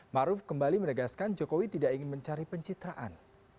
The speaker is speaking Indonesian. maruf kembali menegaskan jokowi tidak ingin mencari pencitraan